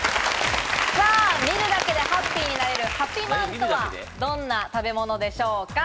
見るだけでハッピーになれるハピまんとはどんな食べ物でしょうか？